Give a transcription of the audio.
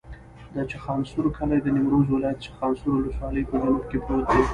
د چخانسور کلی د نیمروز ولایت، چخانسور ولسوالي په جنوب کې پروت دی.